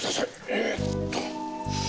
えーっと。